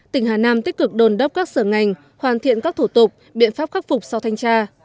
tỉnh hà nam tích cực đồn đốc các sở ngành hoàn thiện các thủ tục biện pháp khắc phục sau thanh tra